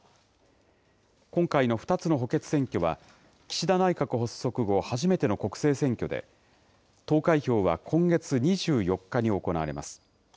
今回の２つの補欠選挙は、岸田内閣発足後初めての国政選挙で、投開票は今月２４日に行われます。